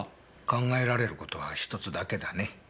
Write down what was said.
考えられることはひとつだけだね。